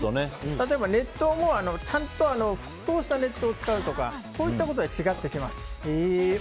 例えば熱湯もちゃんと沸騰した熱湯を使うだけでもそういったことで違ってきます。